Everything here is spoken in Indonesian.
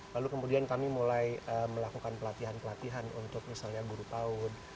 lalu kemudian kami mulai melakukan pelatihan pelatihan untuk misalnya buru paut